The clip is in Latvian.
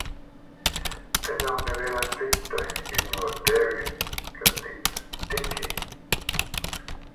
Te nav neviena cita, izņemot tevi, kas tic Tiki!